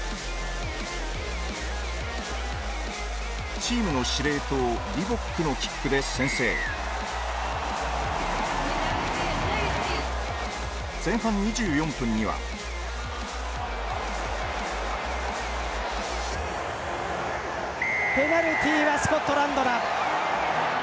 チームの司令塔リボックのキックで先制前半２４分にはペナルティーはスコットランドだ。